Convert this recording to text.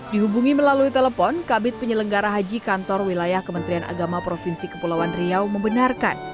dihubungi melalui telepon kabit penyelenggara haji kantor wilayah kementerian agama provinsi kepulauan riau membenarkan